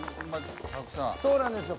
そうなんですよ。